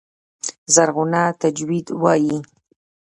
زرغونه تجوید وايي.